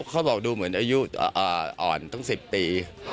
เขาบอกดูเหมือนอายุอ่อนตั้ง๑๐ปี